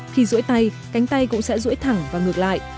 khi rưỡi tay cánh tay cũng sẽ rưỡi thẳng và ngược lại